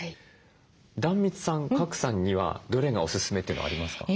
壇蜜さん賀来さんにはどれがおすすめっていうのありますか？